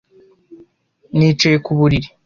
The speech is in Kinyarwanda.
Nicaye ku buriri.